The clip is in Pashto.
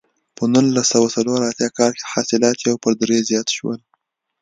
په نولس سوه څلور اتیا کال کې حاصلات یو پر درې زیات شول.